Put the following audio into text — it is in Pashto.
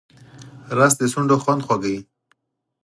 رس د شونډو خوند خوږوي